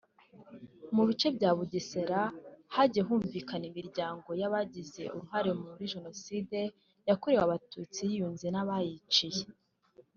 Mu bice bya Bugesera hagiye kumvikana imiryango y’abagize uruhare muri Jenoside yakorewe Abatutsi yiyunze n’abayiciye